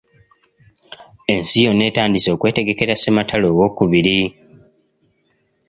Ensi yonna etandise okwetegekera Ssematalo owookubiri.